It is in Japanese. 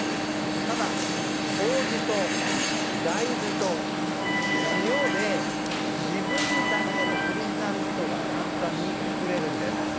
ただ、麹と大豆と塩で自分だけのオリジナルみそが簡単に造れるんです。